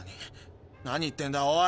何何言ってんだ！